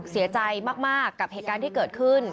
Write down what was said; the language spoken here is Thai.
เสียใจมากกับเหตุการณ์ที่เกิดขึ้น